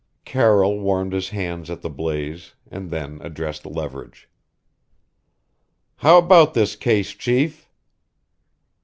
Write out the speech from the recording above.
Carroll warmed his hands at the blaze, and then addressed Leverage. "How about this case, chief?"